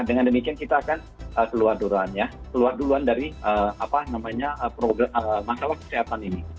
dengan demikian kita akan keluar duluan dari masalah kesehatan ini